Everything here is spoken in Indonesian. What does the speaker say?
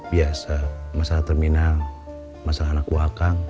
biasa masalah terminal masalah anak buah akang